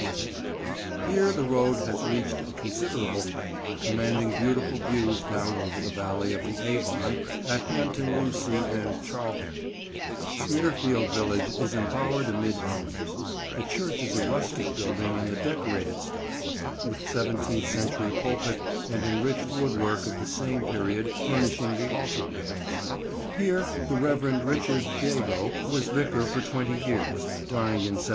Here the road has reached a considerable height, commanding beautiful views down over the valley of the Avon at Hampton Lucy and Charlecote. [Picture: Leicester's Hospital, Warwick] Snitterfield village is embowered amid elms. The church is a rustic building in the Decorated style, with seventeenth century pulpit and enriched woodwork of the same period furnishing the altar rails. Here the Rev. Richard Jago was vicar for twenty years, dying in 1781.